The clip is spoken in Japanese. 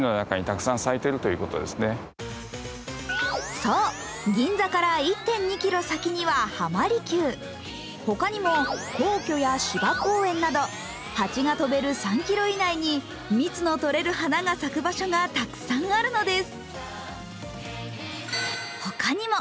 そう、銀座から１．２ｋｍ先には浜離宮、ほかにも皇居や芝公園など蜂が飛べる３ｋｍ以内に蜜の取れる花が咲く場所がたくさんあるのです。